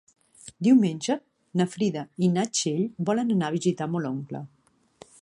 Diumenge na Frida i na Txell volen anar a visitar mon oncle.